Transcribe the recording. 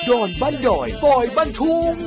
อนบ้านดอยปอยบ้านทุ่ง